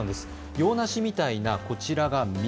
洋梨みたいな、こちらが実。